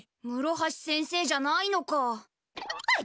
むろはし先生じゃないのか。